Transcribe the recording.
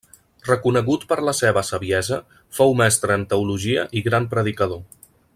Reconegut per la seva saviesa, fou mestre en teologia i gran predicador.